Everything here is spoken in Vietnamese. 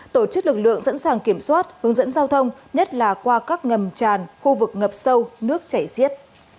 tổ chức lực lượng sẵn sàng kiểm soát hướng dẫn giao thông nhất là qua các ngầm tràn khu vực ngập sâu nước chảy xiết